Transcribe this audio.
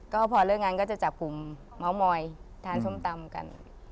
ก็พอเลิกงานก็จะจับกลุ่มเมาส์มอยทานส้มตำกัน